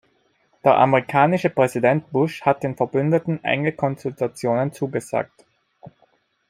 Der amerikanische Präsident Bush hat den Verbündeten enge Konsultationen zugesagt.